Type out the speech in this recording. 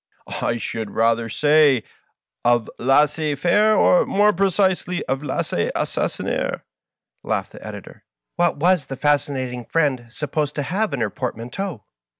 " I should rather say of lamez faire^ or, more precisely, of lainez asaamner^'''* laughed the Editor. " What was the Fascinating Friend supposed to have in her port manteau